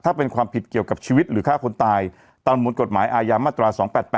ถ้าเป็นความผิดเกี่ยวกับชีวิตหรือฆ่าคนตายตามมวลกฎหมายอาญามาตรา๒๘๘